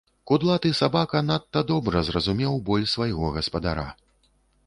Кудлаты сабака надта добра зразумеў боль свайго гаспадара.